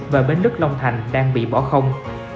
và bến nước long thành đang bị bỏ không